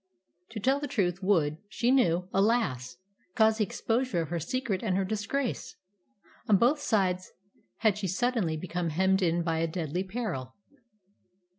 To tell the truth would, she knew, alas! cause the exposure of her secret and her disgrace. On both sides had she suddenly become hemmed in by a deadly peril.